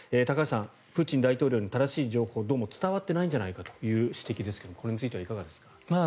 高橋さん、プーチン大統領に正しい情報がどうも伝わってないんじゃないかという指摘ですがこれについてはいかがですか？